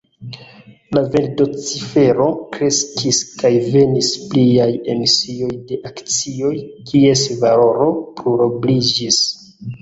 La vendocifero kreskis kaj venis pliaj emisioj de akcioj, kies valoro plurobliĝis.